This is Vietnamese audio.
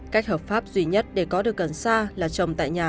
cách hợp pháp duy nhất để có được cần sa là trồng tại nhà